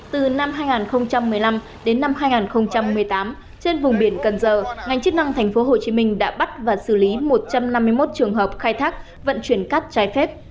từ năm hai nghìn một mươi năm đến năm hai nghìn một mươi tám trên vùng biển cần giờ ngành chức năng tp hcm đã bắt và xử lý một trăm năm mươi một trường hợp khai thác vận chuyển cát trái phép